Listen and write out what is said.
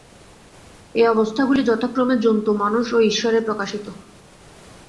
এই অবস্থাগুলি যথাক্রমে জন্তু মানুষ ও ঈশ্বরে প্রকাশিত।